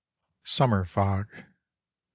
SUMMER FOG. I.